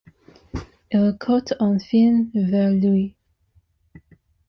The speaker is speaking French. il court enfin vers lui.